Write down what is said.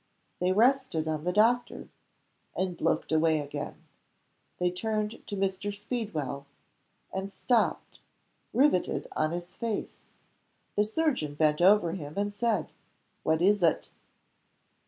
They rested on the doctor and looked away again. They turned to Mr. Speedwell and stopped, riveted on his face. The surgeon bent over him, and said, "What is it?"